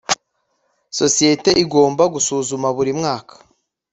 sosiyete igomba gusuzuma buri mwaka